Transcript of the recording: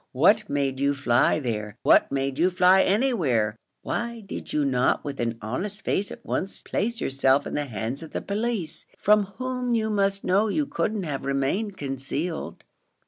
What made you fly there? what made you fly anywhere? why did you not with an honest face at once place yourself in the hands of the police, from whom you must know you couldn't have remained concealed?"